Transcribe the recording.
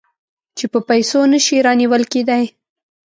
چې په پیسو نه شي رانیول کېدای.